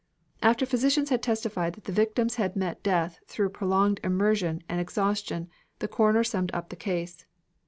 After physicians had testified that the victims had met death through prolonged immersion and exhaustion the coroner summed up the case.